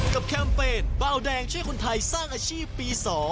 แคมเปญเบาแดงช่วยคนไทยสร้างอาชีพปี๒